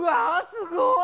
すごい！